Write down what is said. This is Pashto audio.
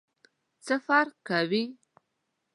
څه فرق کوي ؟